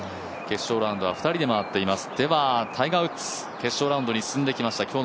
決勝ラウンドは２人で回っていますでは、タイガー・ウッズ決勝ラウンドに進んできました